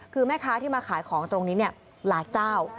คือแม่ค้าที่มาขายของตรงนี้หลายเจ้า